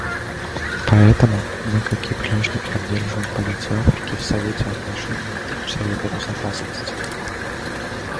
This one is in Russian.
Поэтому мы, как и прежде, поддерживаем позицию Африки в отношении Совета Безопасности.